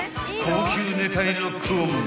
高級ネタにロックオン］